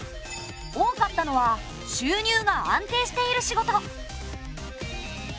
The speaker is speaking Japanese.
多かったのは収入が安定している仕事。